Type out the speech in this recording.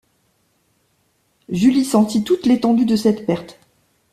Julie sentit toute l’étendue de cette perte.